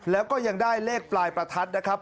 แล้วก็ยังได้เลขปลายประทัดนะครับ